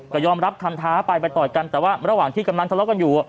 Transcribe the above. ก็ยอมรับคำท้าไปไปต่อยกันแต่ว่าระหว่างที่กำลังทะเลาะกันอยู่